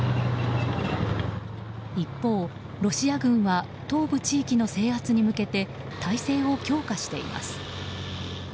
一方、ロシア軍は東部地域の制圧に向けて態勢を強化しています。